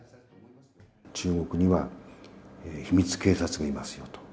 中国には秘密警察がいますよと。